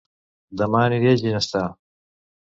Dema aniré a Ginestar